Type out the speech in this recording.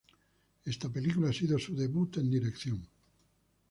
Esta película ha sido su debut en dirección.